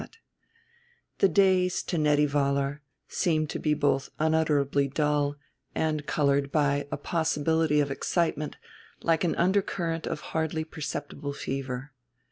VII The days, to Nettie Vollar, seemed to be both unutterably dull and colored by a possibility of excitement like an undercurrent of hardly perceptible fever.